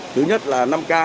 thứ nhất là năm k